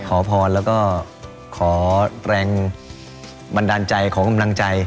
ขอพรแล้วก็ขอแรงบันดาลใจขอกำลังใจ